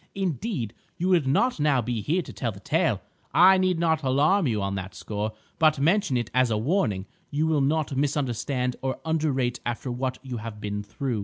Indeed, you would not now be here to tell the tale. I need not alarm you on that score, but mention it as a warning you will not misunderstand or underrate after what you have been through.